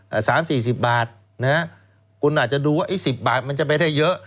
สามสี่สิบบาทนะฮะคุณอาจจะดูว่าไอ้สิบบาทมันจะไปได้เยอะ